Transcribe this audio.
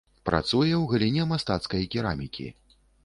Працуе ў галіне мастацкай керамікі.